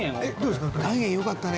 「岩塩よかったね。